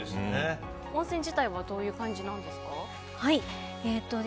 温泉自体はどういう感じなんですか？